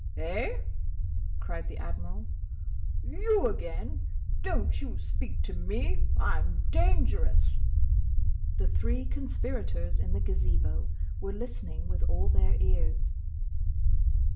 "Eh?" cried the Admiral. "You, again! Don't you speak to me! I'm dangerous!" The three conspirators in the Gazebo were listening with all their ears.